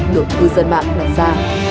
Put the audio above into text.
được cư dân mạng đặt ra